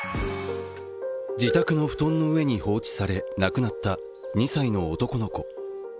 自宅の布団の上に放置され亡くなった、２歳の男の子。